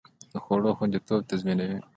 د خوړو خوندیتوب تضمینوي.